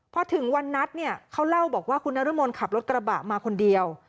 พอถึงวันนัดเนี่ยเขาเล่าบอกว่าคุณนรมนขับรถกระบะมาคนเดียว